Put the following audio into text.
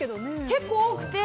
結構多くて。